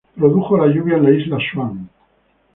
Produjo de lluvia en la Isla Swan.